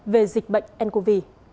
về dịch bệnh ncov